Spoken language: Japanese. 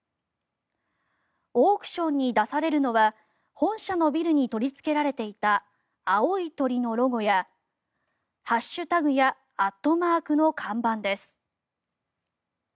オークションに出されているのは本社のビルに取りつけられていた青い鳥のロゴやハッシュタグやアットマークの看板です。